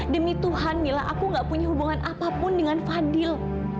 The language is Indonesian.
demi tuhan mila aku gak punya hubungan apapun dengan fadil